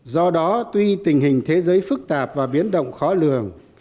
do đó tuy tình hình thế giới phức tạp và biến động khó lường